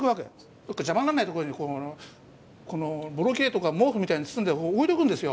どっか邪魔になんないところにこのボロきれとか毛布みたいのに包んで置いとくんですよ。